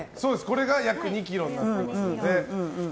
これが約２ｋｇになってますので。